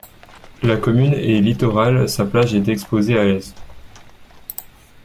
La commune est littorale, sa plage est exposée à l'est.